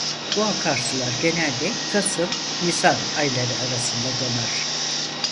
Bu akarsular genelde kasım-nisan ayları arasında donar.